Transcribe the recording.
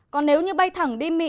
còn nếu như bay thẳng đi mỹ